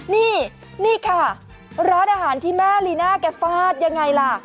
นี่นี่ค่ะร้านอาหารที่แม่ลีน่าแกฟาดยังไงล่ะ